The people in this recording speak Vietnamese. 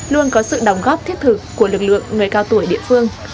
luôn có sự đóng góp thiết thực của lực lượng người cao tuổi địa phương